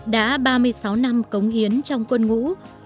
đã ba mươi sáu năm cống hiến trong quân ngũ